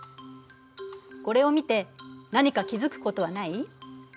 これを見て何か気付くことはない？